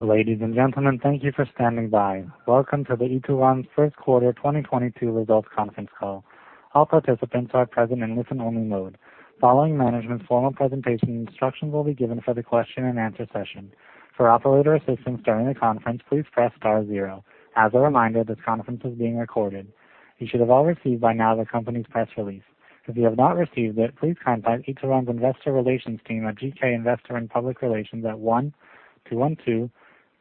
Ladies and gentlemen, thank you for standing by. Welcome to Ituran's First Quarter 2022 Results Conference Call. All participants are present in listen-only mode. Following management's formal presentation, instructions will be given for the question and answer session. For operator assistance during the conference, please press star zero. As a reminder, this conference is being recorded. You should have all received by now the company's press release. If you have not received it, please contact Ituran Investor Relations team at GK Investor & Public Relations at 212-378-8040, or view it in the news section of the company's website, www.ituran.com.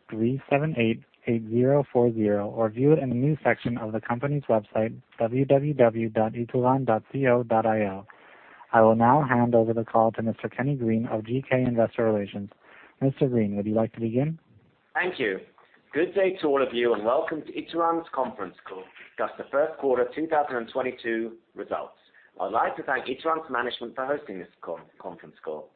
I will now hand over the call to Mr. Kenny Green of GK Investor Relations. Mr. Green, would you like to begin? Thank you. Good day to all of you and welcome to Ituran's conference call to discuss the first quarter 2022 results. I'd like to thank Ituran's management for hosting this conference call.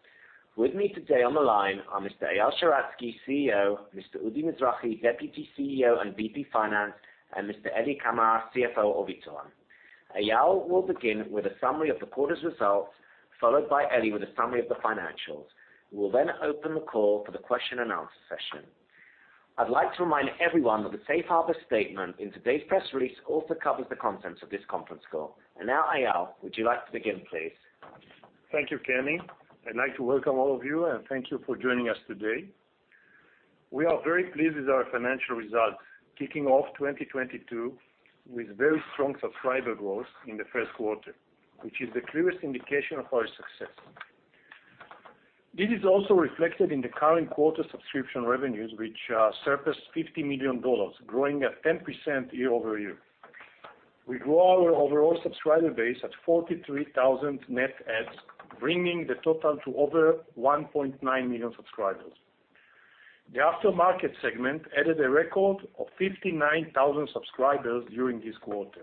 With me today on the line are Mr. Eyal Sheratzky, CEO, Mr. Udi Mizrahi, Deputy CEO and VP Finance, and Mr. Eli Kamer, CFO of Ituran. Eyal will begin with a summary of the quarter's results, followed by Eli with a summary of the financials. We will then open the call for the question and answer session. I'd like to remind everyone that the safe harbor statement in today's press release also covers the contents of this conference call. Now, Eyal, would you like to begin, please? Thank you, Kenny. I'd like to welcome all of you, and thank you for joining us today. We are very pleased with our financial results, kicking off 2022 with very strong subscriber growth in the first quarter, which is the clearest indication of our success. This is also reflected in the current quarter subscription revenues, which were $50 million, growing at 10% year-over-year. We grew our overall subscriber base at 43,000 net adds, bringing the total to over 1.9 million subscribers. The aftermarket segment added a record of 59,000 subscribers during this quarter.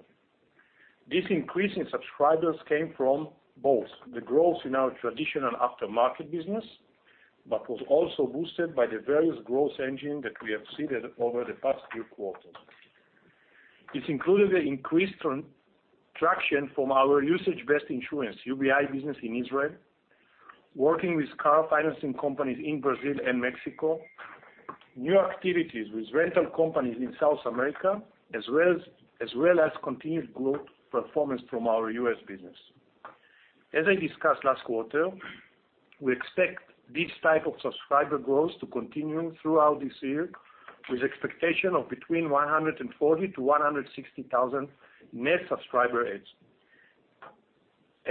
This increase in subscribers came from both the growth in our traditional aftermarket business, but was also boosted by the various growth engines that we have seeded over the past few quarters. This included the increased transaction from our usage-based insurance, UBI business in Israel, working with car financing companies in Brazil and Mexico, new activities with rental companies in South America, as well as continued growth performance from our U.S. business. As I discussed last quarter, we expect this type of subscriber growth to continue throughout this year with expectation of between 140-160 thousand net subscriber adds.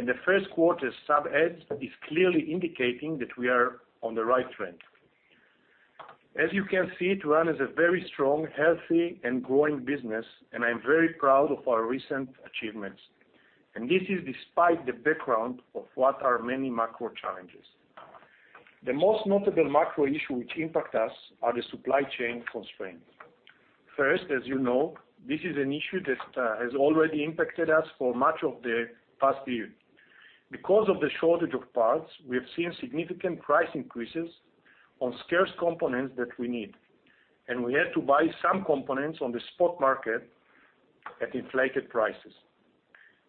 The first quarter sub adds is clearly indicating that we are on the right trend. As you can see, Ituran is a very strong, healthy, and growing business, and I'm very proud of our recent achievements. This is despite the background of what are many macro challenges. The most notable macro issue which impact us are the supply chain constraints. First, as you know, this is an issue that has already impacted us for much of the past year. Because of the shortage of parts, we have seen significant price increases on scarce components that we need, and we had to buy some components on the spot market at inflated prices.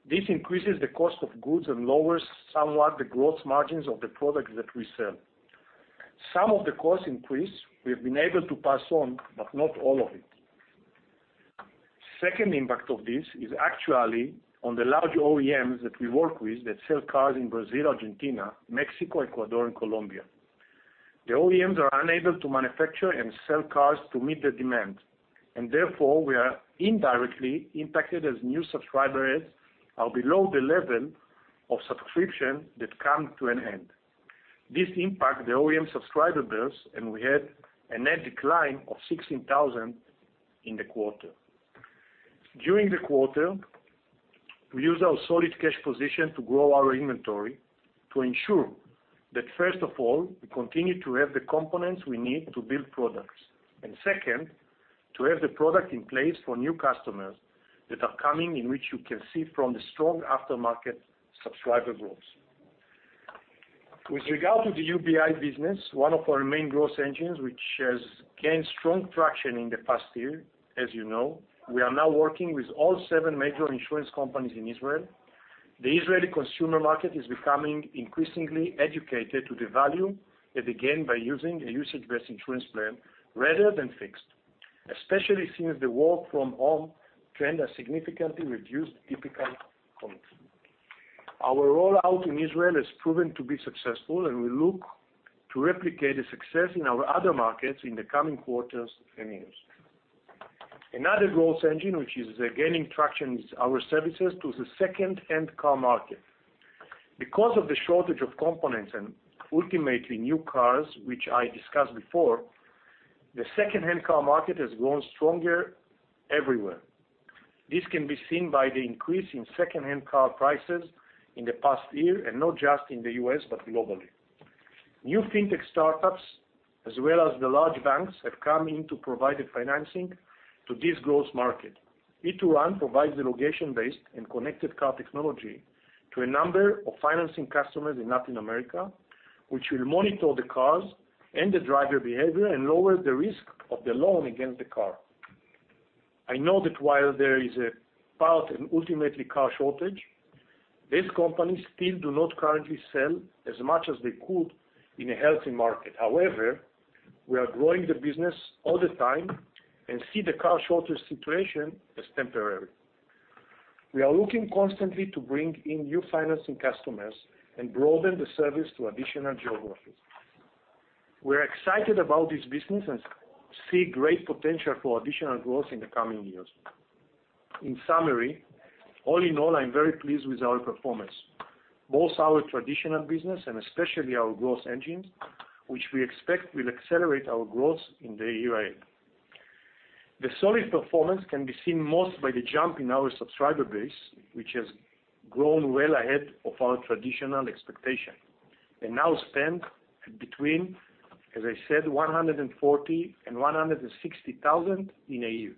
This increases the cost of goods and lowers somewhat the growth margins of the products that we sell. Some of the cost increase we've been able to pass on, but not all of it. Second impact of this is actually on the large OEMs that we work with that sell cars in Brazil, Argentina, Mexico, Ecuador, and Colombia. The OEMs are unable to manufacture and sell cars to meet the demand, and therefore we are indirectly impacted as new subscriber adds are below the level of subscription that come to an end. This impacted the OEM subscriber base, and we had a net decline of 16,000 in the quarter. During the quarter, we used our solid cash position to grow our inventory to ensure that first of all, we continue to have the components we need to build products. Second, to have the product in place for new customers that are coming in which you can see from the strong aftermarket subscriber growth. With regard to the UBI business, one of our main growth engines which has gained strong traction in the past year, as you know, we are now working with all seven major insurance companies in Israel. The Israeli consumer market is becoming increasingly educated to the value that they gain by using a usage-based insurance plan rather than fixed, especially since the work from home trend has significantly reduced typical commuting. Our rollout in Israel has proven to be successful, and we look to replicate the success in our other markets in the coming quarters and years. Another growth engine which is gaining traction is our services to the second-hand car market. Because of the shortage of components and ultimately new cars, which I discussed before, the second-hand car market has grown stronger everywhere. This can be seen by the increase in second-hand car prices in the past year, and not just in the U.S., but globally. New fintech startups, as well as the large banks, have come in to provide the financing to this growth market. Ituran provides the location-based and connected car technology to a number of financing customers in Latin America, which will monitor the cars and the driver behavior and lower the risk of the loan against the car. I know that while there is a part and ultimately car shortage, these companies still do not currently sell as much as they could in a healthy market. However, we are growing the business all the time and see the car shortage situation as temporary. We are looking constantly to bring in new financing customers and broaden the service to additional geographies. We're excited about this business and see great potential for additional growth in the coming years. In summary, all in all, I'm very pleased with our performance, both our traditional business and especially our growth engine, which we expect will accelerate our growth in the year end. The solid performance can be seen most by the jump in our subscriber base, which has grown well ahead of our traditional expectation, and now stand between, as I said, 140 and 160 thousand in AU.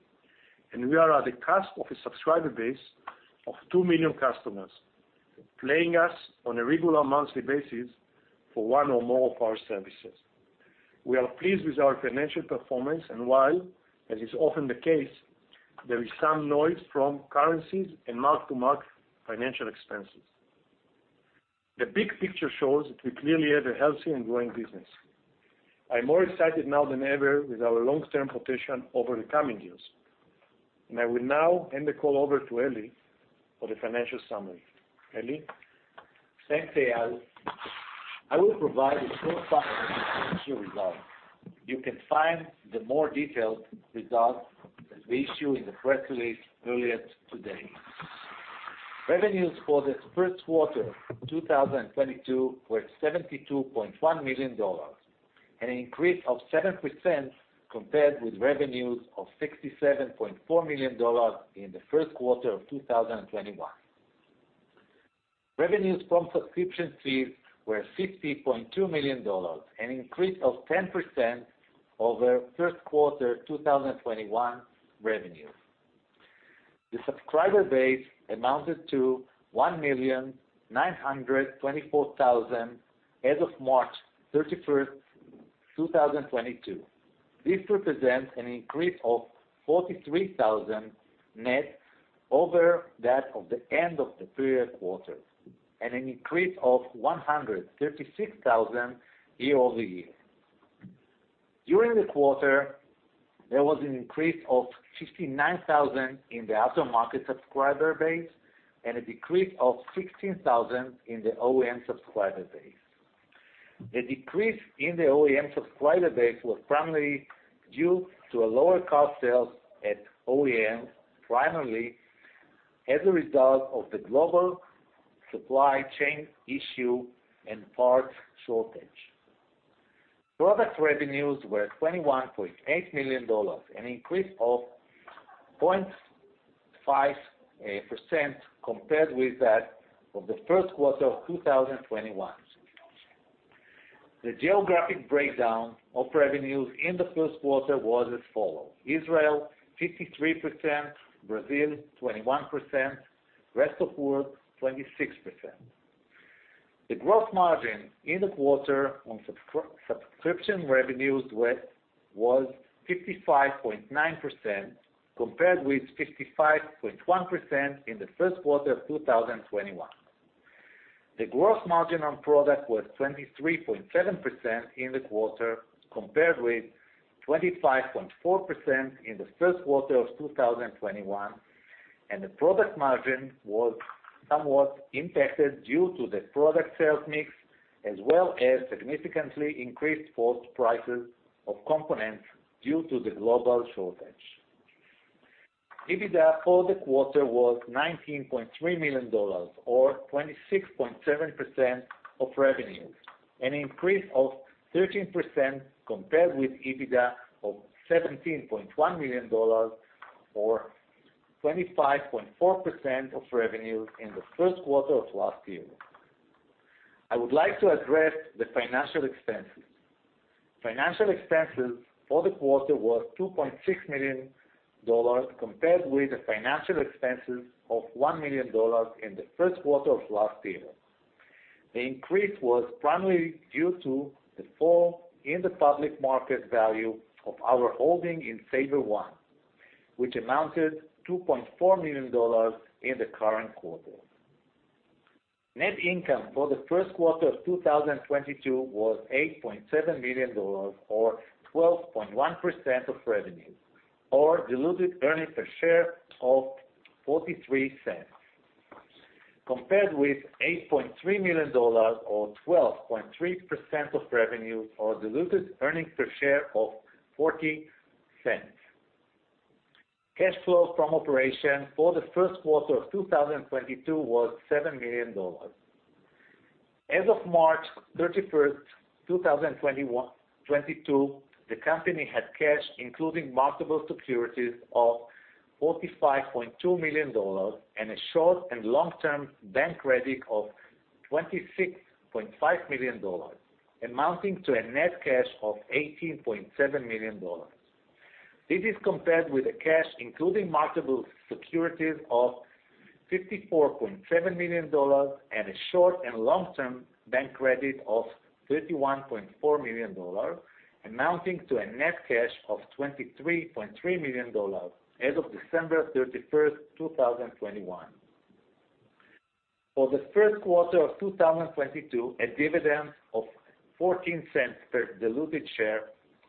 We are at the cusp of a subscriber base of 2 million customers, paying us on a regular monthly basis for one or more of our services. We are pleased with our financial performance, and while as is often the case, there is some noise from currencies and mark-to-market financial expenses. The big picture shows that we clearly have a healthy and growing business. I'm more excited now than ever with our long-term potential over the coming years. I will now hand the call over to Eli for the financial summary. Eli? Thanks, Eyal. I will provide a short summary of the financial results. You can find the more detailed results that we issue in the press release earlier today. Revenues for the first quarter of 2022 were $72.1 million, an increase of 7% compared with revenues of $67.4 million in the first quarter of 2021. Revenues from subscription fees were $60.2 million, an increase of 10% over first quarter 2021 revenues. The subscriber base amounted to 1,924,000 as of March 31, 2022. This represents an increase of 43,000 net over that of the end of the previous quarter and an increase of 136,000 year-over-year. During the quarter, there was an increase of 59,000 in the aftermarket subscriber base and a decrease of 16,000 in the OEM subscriber base. The decrease in the OEM subscriber base was primarily due to lower car sales at OEM, primarily as a result of the global supply chain issue and parts shortage. Product revenues were $21.8 million, an increase of 0.5% compared with that of the first quarter of 2021. The geographic breakdown of revenues in the first quarter was as follows, Israel 53%, Brazil 21%, rest of world 26%. The gross margin in the quarter on subscription revenues was 55.9% compared with 55.1% in the first quarter of 2021. The gross margin on product was 23.7% in the quarter, compared with 25.4% in the first quarter of 2021, and the product margin was somewhat impacted due to the product sales mix, as well as significantly increased cost prices of components due to the global shortage. EBITDA for the quarter was $19.3 million or 26.7% of revenues, an increase of 13% compared with EBITDA of $17.1 million or 25.4% of revenues in the first quarter of last year. I would like to address the financial expenses. Financial expenses for the quarter was $2.6 million compared with the financial expenses of $1 million in the first quarter of last year. The increase was primarily due to the fall in the public market value of our holding in SaverOne, which amounted to $2.4 million in the current quarter. Net income for the first quarter of 2022 was $8.7 million or 12.1% of revenues, or diluted earnings per share of $0.43, compared with $8.3 million or 12.3% of revenue, or diluted earnings per share of $0.40. Cash flow from operations for the first quarter of 2022 was $7 million. As of March 31, 2022, the company had cash, including marketable securities, of $45.2 million and a short and long-term bank credit of $26.5 million, amounting to a net cash of $18.7 million. This is compared with the cash, including marketable securities, of $54.7 million and a short- and long-term bank credit of $31.4 million, amounting to a net cash of $23.3 million as of December 31, 2021. For the first quarter of 2022, a dividend of 14 cents per diluted share,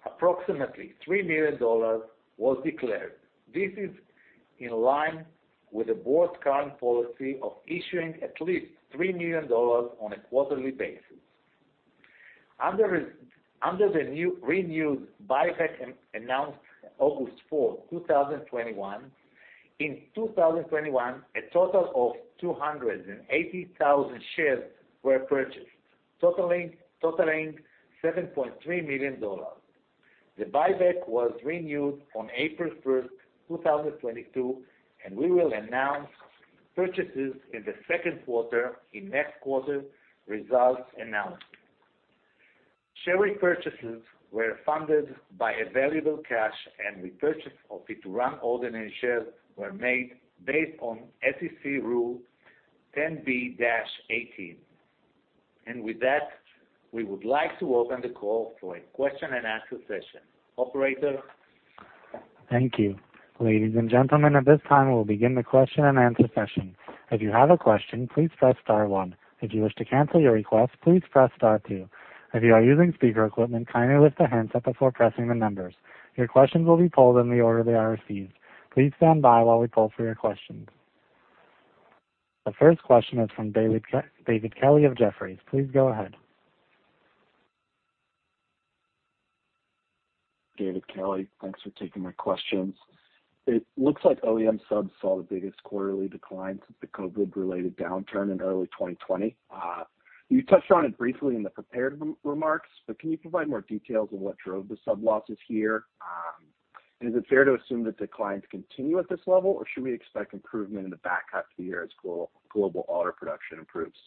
approximately $3 million was declared. This is in line with the board's current policy of issuing at least $3 million on a quarterly basis. Under the newly renewed buyback announced August 4, 2021, in 2021, a total of 280,000 shares were purchased, totaling $73 million. The buyback was renewed on April 1, 2022, and we will announce purchases in the second quarter in next quarter results announcement. Share repurchases were funded by available cash, and repurchase of Ituran ordinary shares were made based on SEC Rule 10b-18. With that, we would like to open the call for a question-and-answer session. Operator? Thank you. Ladies and gentlemen, at this time, we'll begin the question-and-answer session. If you have a question, please press star one. If you wish to cancel your request, please press star two. If you are using speaker equipment, kindly lift the handset before pressing the numbers. Your questions will be pulled in the order they are received. Please stand by while we pull through your questions. The first question is from David Kelley of Jefferies. Please go ahead. David Kelley, thanks for taking my questions. It looks like OEM subs saw the biggest quarterly decline since the COVID-related downturn in early 2020. You touched on it briefly in the prepared remarks, but can you provide more details on what drove the sub losses here? Is it fair to assume that declines continue at this level, or should we expect improvement in the back half of the year as global auto production improves?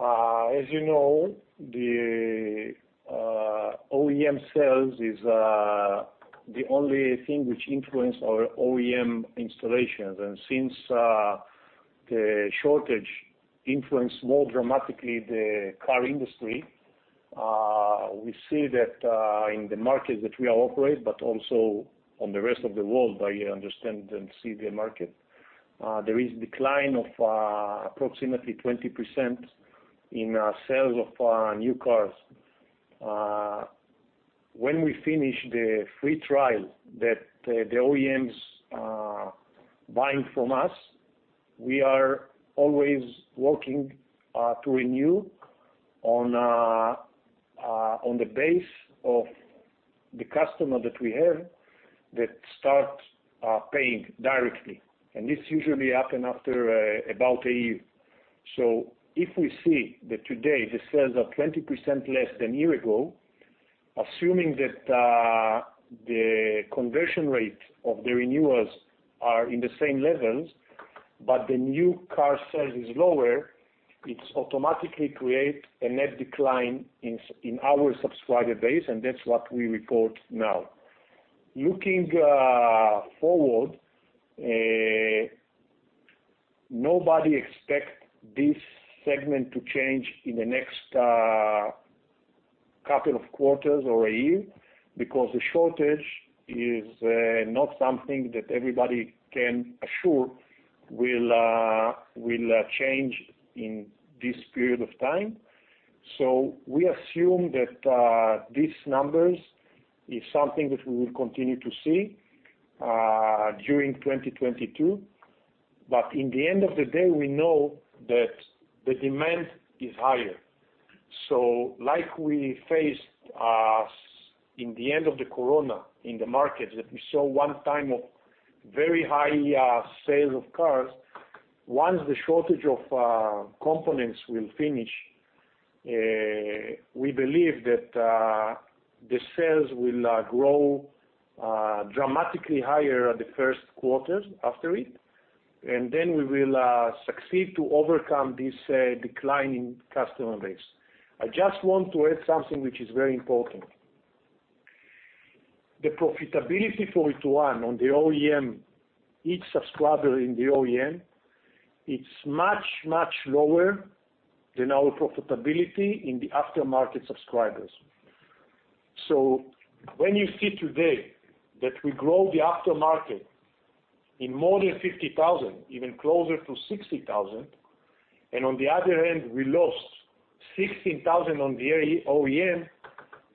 As you know, the OEM sales is the only thing which influence our OEM installations. Since the shortage influenced more dramatically the car industry, we see that in the markets that we operate, but also on the rest of the world, I understand and see the market, there is decline of approximately 20% in sales of new cars. When we finish the free trial that the OEMs buying from us, we are always working to renew on the basis of the customer that we have that start paying directly. This usually happen after about a year. If we see that today the sales are 20% less than a year ago, assuming that the conversion rate of the renewals are in the same levels, but the new car sales is lower, it automatically create a net decline in in our subscriber base, and that's what we report now. Looking forward, nobody expect this segment to change in the next couple of quarters or a year because the shortage is not something that everybody can assure will change in this period of time. We assume that these numbers is something that we will continue to see during 2022. In the end of the day, we know that the demand is higher. Like we faced in the end of the Corona in the markets that we saw one time of very high sales of cars, once the shortage of components will finish, we believe that the sales will grow dramatically higher at the first quarter after it, and then we will succeed to overcome this decline in customer base. I just want to add something which is very important. The profitability for Ituran on the OEM, each subscriber in the OEM, it's much, much lower than our profitability in the aftermarket subscribers. When you see today that we grow the aftermarket in more than 50,000, even closer to 60,000, and on the other hand, we lost 16,000 on the OEM,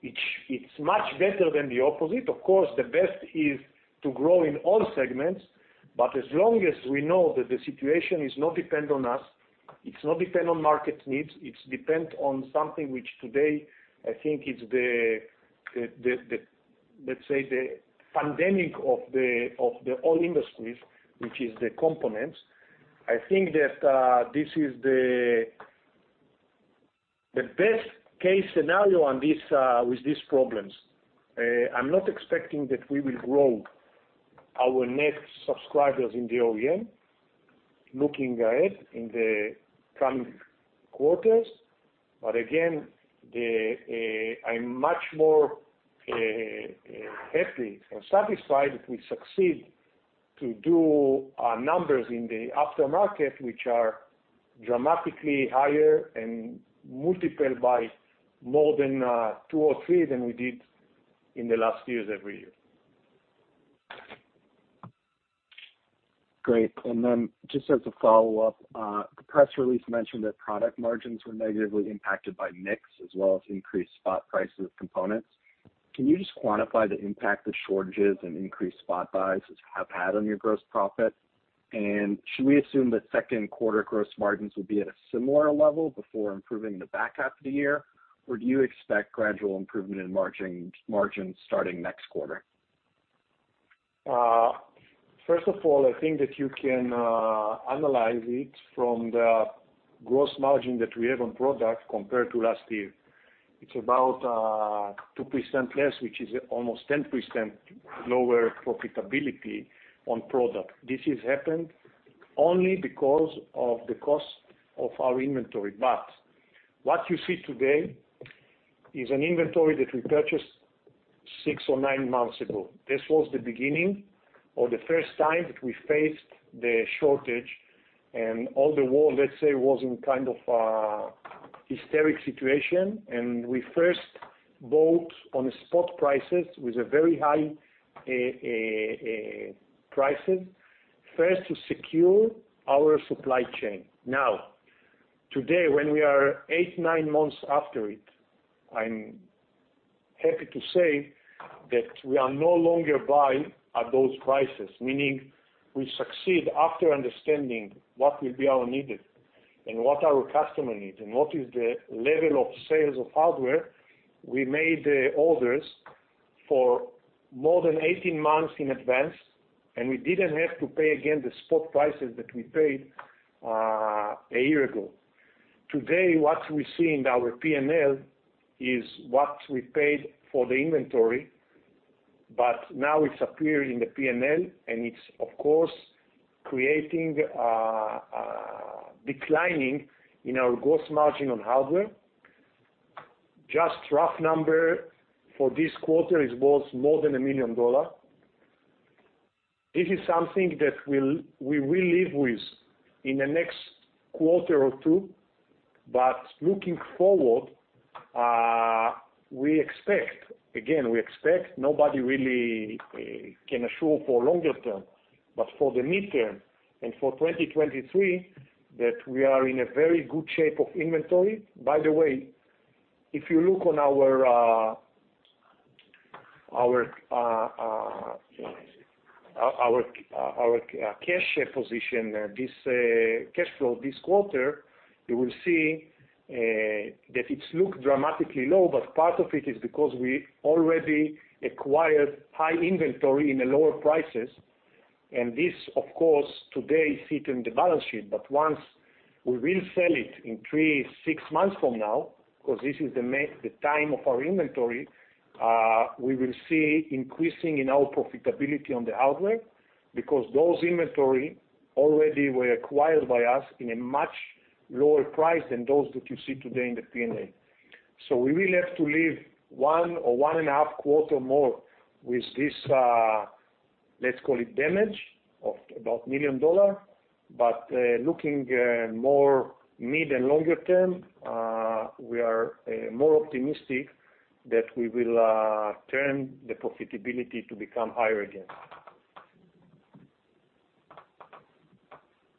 it's much better than the opposite. Of course, the best is to grow in all segments. As long as we know that the situation is not depend on us, it's not depend on market needs, it's depend on something which today, I think it's let's say the pandemic of the oil industries, which is the components. I think that this is the best case scenario on this with these problems. I'm not expecting that we will grow our net subscribers in the OEM. Looking ahead in the coming quarters. Again, I'm much more happy or satisfied if we succeed to do our numbers in the aftermarket, which are dramatically higher and multiplied by more than two or three than we did in the last years, every year. Great. Just as a follow-up, the press release mentioned that product margins were negatively impacted by mix as well as increased spot prices of components. Can you just quantify the impact the shortages and increased spot buys have had on your gross profit? Should we assume that second quarter gross margins will be at a similar level before improving the back half of the year? Do you expect gradual improvement in margin starting next quarter? First of all, I think that you can analyze it from the gross margin that we have on product compared to last year. It's about 2% less, which is almost 10% lower profitability on product. This has happened only because of the cost of our inventory. What you see today is an inventory that we purchased six or 9 months ago. This was the beginning or the first time that we faced the shortage and all the world, let's say, was in kind of historic situation. We first bought on spot prices with very high prices first to secure our supply chain. Now, today, when we are 8-9 months after it, I'm happy to say that we are no longer buying at those prices. Meaning we succeed after understanding what will be needed and what our customer needs, and what is the level of sales of hardware. We made the orders for more than 18 months in advance, and we didn't have to pay again the spot prices that we paid a year ago. Today, what we see in our P&L is what we paid for the inventory, but now it's appearing in the P&L and it's of course creating a decline in our gross margin on hardware. Just rough number for this quarter is worth more than $1 million. This is something that we will live with in the next quarter or two, but looking forward, we expect. Again, we expect, nobody really can assure for longer term, but for the midterm and for 2023, that we are in a very good shape of inventory. By the way, if you look at our cash position, this cash flow this quarter, you will see that it looks dramatically low, but part of it is because we already acquired high inventory at lower prices. This, of course, today sits in the balance sheet. Once we resell it in three, six months from now, because this is the time of our inventory, we will see an increase in our profitability on the hardware because those inventory already were acquired by us at a much lower price than those that you see today in the P&A. We will have to live one or one and a half quarter more with this, let's call it damage of about $1 million. Looking more mid and longer term, we are more optimistic that we will turn the profitability to become higher again.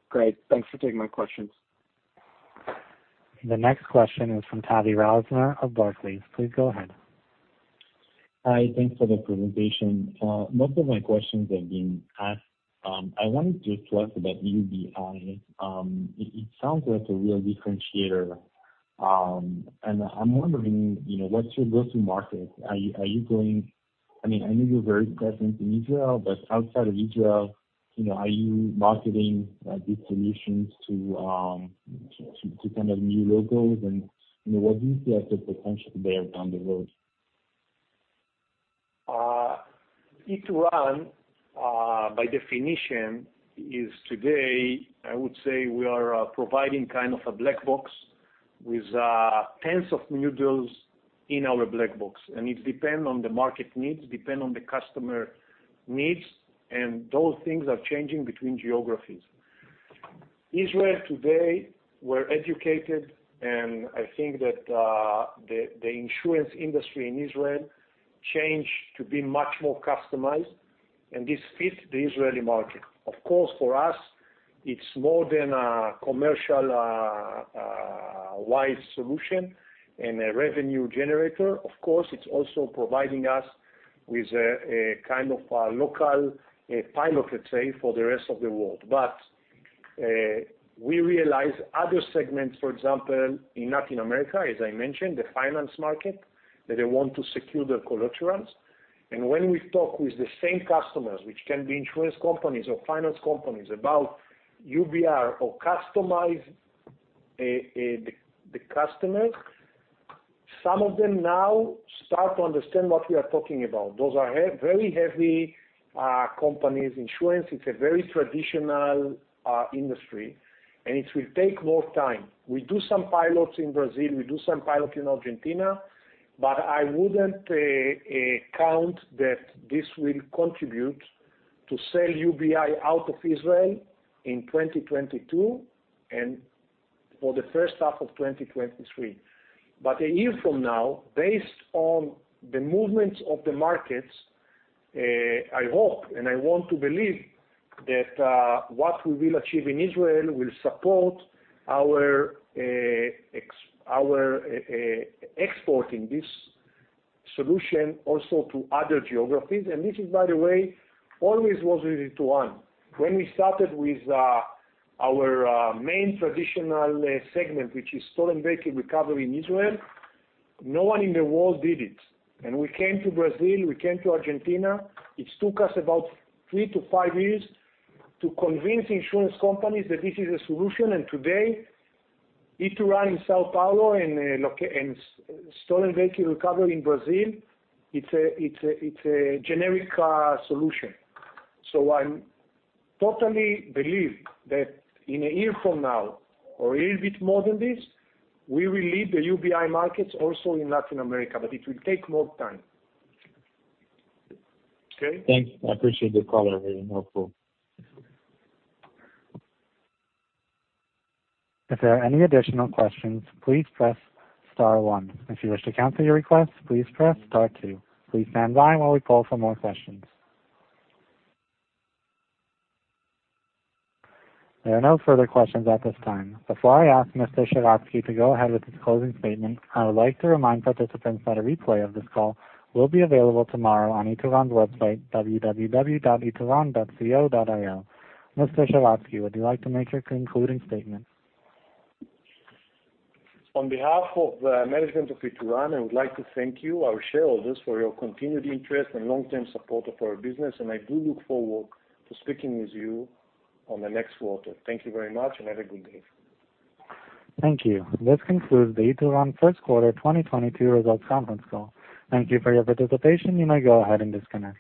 Great. Thanks for taking my questions. The next question is from Tavy Rosner of Barclays. Please go ahead. Hi. Thanks for the presentation. Most of my questions have been asked. I wanted to talk about UBI. It sounds like a real differentiator. I'm wondering, you know, what's your go-to-market? Are you going—I mean, I know you're very present in Israel, but outside of Israel, you know, are you marketing these solutions to kind of new logos? You know, what do you see as the potential there down the road? Ituran, by definition, is today. I would say we are providing kind of a black box with tens of new deals in our black box, and it depend on the market needs and the customer needs, and those things are changing between geographies. Israel today, we're educated, and I think that the insurance industry in Israel changed to be much more customized, and this fit the Israeli market. Of course, for us, it's more than a commercial wide solution and a revenue generator. Of course, it's also providing us with a kind of a local pilot, let's say, for the rest of the world. We realize other segments, for example, in Latin America, as I mentioned, the finance market, that they want to secure their collaterals. When we talk with the same customers, which can be insurance companies or finance companies, about UBI or customized, the customers. Some of them now start to understand what we are talking about. Those are very heavy companies. Insurance, it's a very traditional industry, and it will take more time. We do some pilots in Brazil, we do some pilot in Argentina, but I wouldn't count that this will contribute to sell UBI out of Israel in 2022 and for the first half of 2023. A year from now, based on the movements of the markets, I hope and I want to believe that what we will achieve in Israel will support our exporting this solution also to other geographies. This is by the way, always was with Ituran. When we started with our main traditional segment, which is stolen vehicle recovery in Israel, no one in the world did it. We came to Brazil, we came to Argentina. It took us about 3-5 years to convince insurance companies that this is a solution, and today, Ituran in São Paulo and stolen vehicle recovery in Brazil, it's a generic solution. I'm totally believe that in a year from now or a little bit more than this, we will lead the UBI markets also in Latin America, but it will take more time. Okay? Thanks. I appreciate the color. Very helpful. If there are any additional questions, please press star one. If you wish to cancel your request, please press star two. Please stand by while we poll for more questions. There are no further questions at this time. Before I ask Mr. Sheratzky to go ahead with his closing statement, I would like to remind participants that a replay of this call will be available tomorrow on Ituran's website, www.ituran.com. Mr. Sheratzky, would you like to make your concluding statement? On behalf of the management of Ituran, I would like to thank you, our shareholders, for your continued interest and long-term support of our business, and I do look forward to speaking with you on the next quarter. Thank you very much, and have a good day. Thank you. This concludes the Ituran first quarter 2022 results conference call. Thank you for your participation. You may go ahead and disconnect.